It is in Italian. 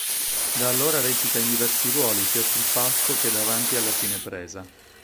Da allora recita in diversi ruoli, sia sul palco che davanti alla cinepresa.